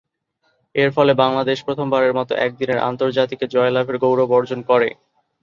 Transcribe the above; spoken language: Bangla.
এরফলে বাংলাদেশ প্রথমবারের মতো একদিনের আন্তর্জাতিকে জয়লাভের গৌরব অর্জন করে।